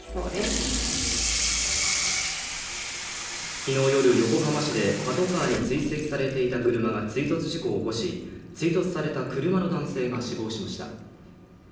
昨日夜、横浜市でパトカーに追跡されていた車が追突事故を起こし、追突された車の男性が死亡しました。